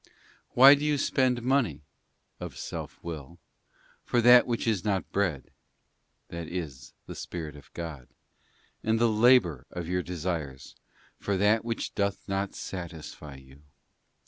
'Why do you spend money' of self will ' for that which is not bread,' that is, the Spirit of God, and the 'labour' of your desires 'for that which doth not satisfy you?